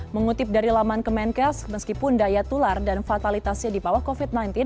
mengutip dari laman kemenkes meskipun daya tular dan fatalitasnya di bawah covid sembilan belas